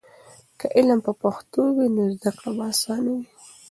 که علم په پښتو وي، نو زده کړه به اسانه وي.